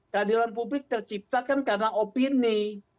keadilan publik terciptakan karena opini